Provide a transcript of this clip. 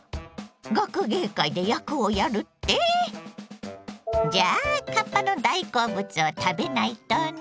学芸会で役をやるって⁉じゃあかっぱの大好物を食べないとね。